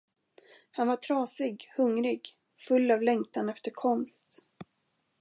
Han var trasig, hungrig, full av längtan efter konst.